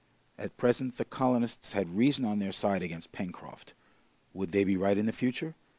At present, the colonists had reason on their side against Pencroft. Would they be right in the future?